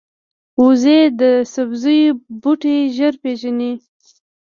وزې د سبزیو بوټي ژر پېژني